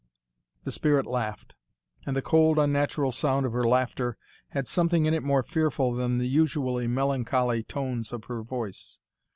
The Spirit laughed; and the cold unnatural sound of her laughter had something in it more fearful than the usually melancholy tones of her voice.